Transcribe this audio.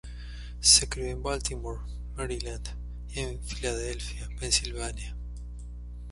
Se crió en Baltimore, Maryland y en Filadelfia, Pensilvania.